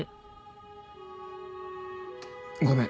ごめん。